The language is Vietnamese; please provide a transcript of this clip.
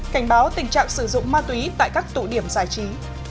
cảnh báo tình trạng sử dụng ma túy tại các tụ điểm giải trí